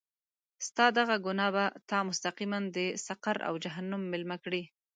ستا دغه ګناه به تا مستقیماً د سقر او جهنم میلمه کړي.